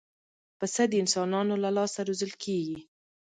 پسه د انسانانو له لاسه روزل کېږي.